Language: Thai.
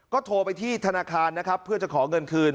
ก็โทรไปที่ธนาคารนะครับเพื่อจะขอเงินคืน